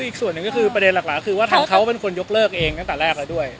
อีกส่วนหนึ่งก็คือประเด็นหลักคือว่าทางเขาเป็นคนยกเลิกเองตั้งแต่แรกแล้วด้วย